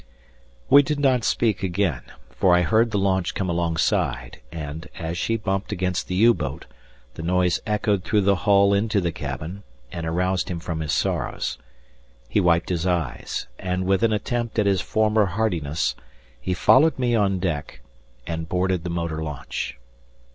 We did not speak again, for I heard the launch come alongside, and, as she bumped against the U boat, the noise echoed through the hull into the cabin, and aroused him from his sorrows. He wiped his eyes, and, with an attempt at his former hardiness, he followed me on deck and boarded the motor launch.